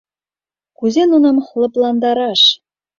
Кузе нуным лыпландараш?”